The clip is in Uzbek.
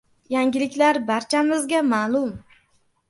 Yangiliklar barchamizga ma'lum!